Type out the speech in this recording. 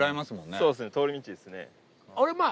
そうですね。